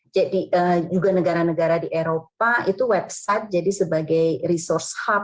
jadi juga negara negara di eropa juga negara negara di indonesia juga negara negara di indonesia juga negara negara di eropa